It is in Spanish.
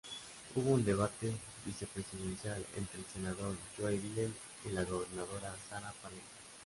Hubo un debate vicepresidencial entre el senador Joe Biden y la Gobernadora Sarah Palin.